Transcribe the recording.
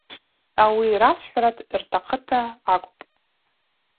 Ауи расхӏвра ртахъыта акӏвпӏ.